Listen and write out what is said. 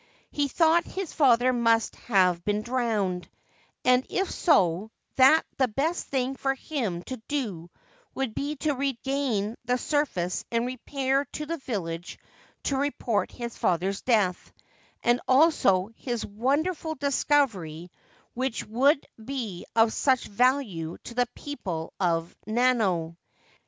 He thought his father must have been drowned, and if so, that the best thing for him to do would be to regain the surface and repair to the village to report his father's death, and also his wonderful discovery, which would be of such value to the people of Nanao.